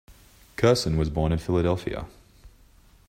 Curson was born in Philadelphia.